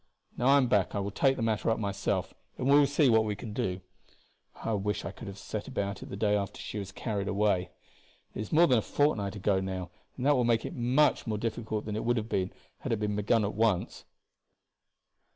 Now I am back I will take the matter up myself, and we will see what we can do. I wish I could have set about it the day after she was carried away. It is more than a fortnight ago now, and that will make it much more difficult than it would have been had it been begun at once."